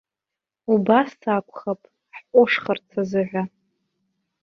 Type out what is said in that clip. Убас акәхап, ҳҟәышхарц азыҳәа.